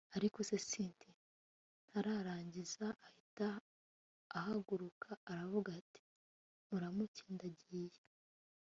ariko se cynti. ntararangiza ahita ahaguruka aravuga ati muramuke ndagiye